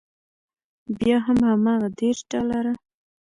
بیا هم هماغه دېرش ډالره.